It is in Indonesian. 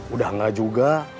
udah gak juga